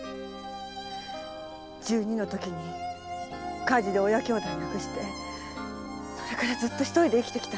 十二のとき火事で親兄弟を亡くしそれからずっと独りで生きてきた。